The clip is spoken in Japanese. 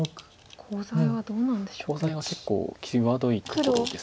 コウ材は結構際どいところです。